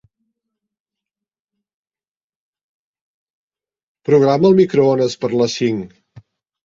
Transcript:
Programa el microones per a les cinc.